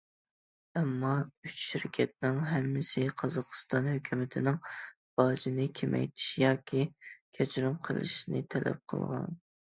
ئەمما ئۈچ شىركەتنىڭ ھەممىسى قازاقىستان ھۆكۈمىتىنىڭ باجنى كېمەيتىشى ياكى كەچۈرۈم قىلىشنى تەلەپ قىلغان.